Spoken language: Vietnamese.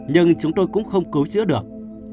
nhưng chúng tôi cũng không cứu chữa được